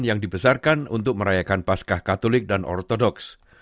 yang dibesarkan untuk merayakan paskah katolik dan ortodoks